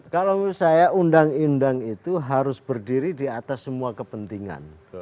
kalau menurut saya undang undang itu harus berdiri di atas semua kepentingan